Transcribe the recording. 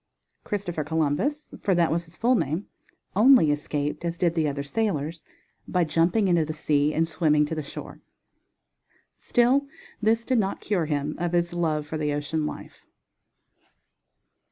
Christopher Columbus, for that was his full name, only escaped, as did the other sailors, by jumping into the sea and swimming to the shore. Still this did not cure him of his love for the ocean life.